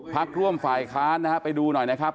พักร่วมฝ่ายค้านนะฮะไปดูหน่อยนะครับ